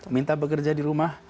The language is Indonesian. minta bekerja di rumah